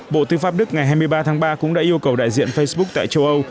bộ tư pháp đức ngày hai mươi ba tháng ba cũng đã yêu cầu đại diện facebook tại châu âu